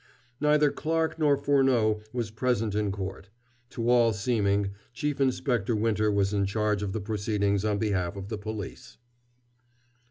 Neither Clarke nor Furneaux was present in court. To all seeming, Chief Inspector Winter was in charge of the proceedings on behalf of the police.